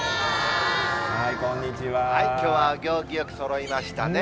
きょうは行儀よくそろいましたね。